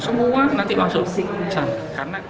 semua nanti masuk ke sana